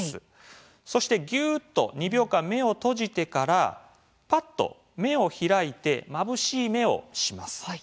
そして、ギューっと２秒間、目を閉じてからパッと目を開いてまぶしい目をします。